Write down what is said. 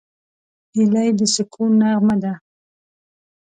هیلۍ د سکون نغمه ده